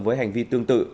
với hành vi tương tự